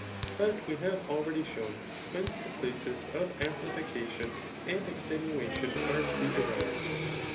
But we have already shown whence the places of ampUficSr tion and extenuation are to be derived.